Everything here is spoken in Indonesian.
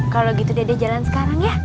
kalau gitu dede jalan sekarang ya